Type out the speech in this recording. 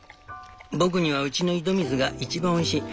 僕にはうちの井戸水が一番おいしい。